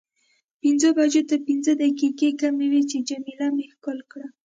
پنځو بجو ته پنځه دقیقې کمې وې چې جميله مې ښکل کړه.